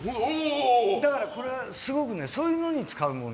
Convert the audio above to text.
だから、これはすごくそういうのに使うもの。